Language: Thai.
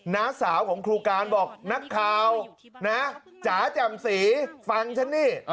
น้าสาวของครูการบอกนักข่าวนะจ๋าแจ่มสีฟังฉันนี่